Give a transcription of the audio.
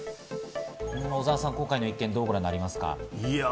小澤さん、今回の一件どうご覧になりますか？